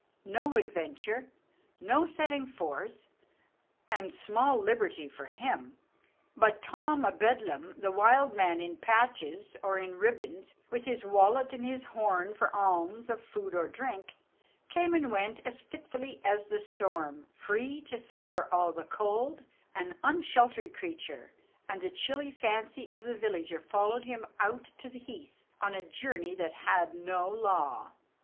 No adventure, no setting forth, and small liberty, for him. But Tom a Bedlam, the wild man in patches or in ribbons, with his wallet and his horn for alms of food or drink, came and went as fitfully as the storm, free to suffer all the cold an unsheltered creature; and the chill fancy of the villager followed him out to the heath on a journey that had no law.